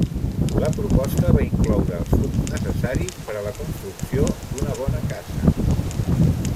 La proposta va incloure els fons necessaris per a la construcció d'una bona casa.